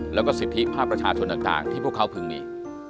แล้วก็สิทธิภาพประชาชนต่างที่พวกเขาพึงมี